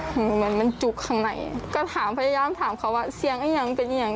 เหมือนมันจุกข้างในก็ถามพยายามถามเขาว่าเสียงก็ยังเป็นอย่าง